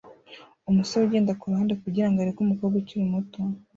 Umusore ugenda kuruhande kugirango areke umukobwa ukiri muto